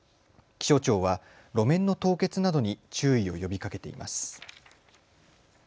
気象庁は路面の凍結などに注意を呼びかけています。